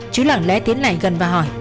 chứ lẳng lẽ tiến lại gần và hỏi